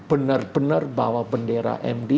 benar benar bawa bendera md